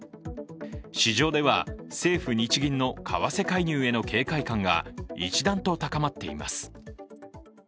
市場では政府・日銀の為替介入への警戒感が一段と高まっています。